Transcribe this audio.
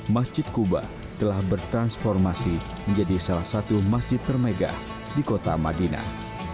masjid kuba telah bertransformasi menjadi salah satu masjid termegah di kota madinah